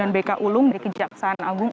bk ulum dari kejaksaan agung